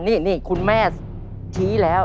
นี่คุณแม่ชี้แล้ว